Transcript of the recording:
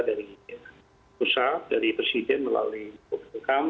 dari presiden melalui pppkm